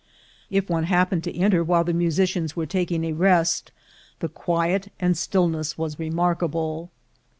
If one hap pened to enter while the musicians were taking a rest, the quiet and stillness weie remarkable.